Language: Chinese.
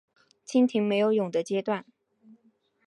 蜻蜓没有蛹的阶段。